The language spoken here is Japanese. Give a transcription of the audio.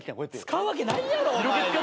使うわけないやろ。